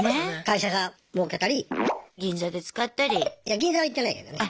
いや銀座は行ってないけどね。